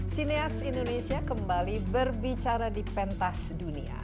sineas indonesia kembali berbicara di pentas dunia